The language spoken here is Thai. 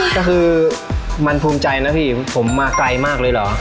ก็คือมันภูมิใจนะพี่ผมมาไกลมากเลยเหรอ